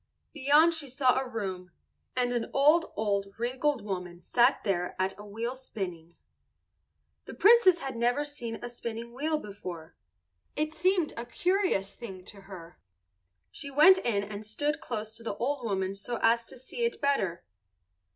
Beyond she saw a room, and an old, old, wrinkled woman sat there at a wheel spinning. The Princess had never seen a spinning wheel before. It seemed a curious thing to her. She went in and stood close to the old woman so as to see it better.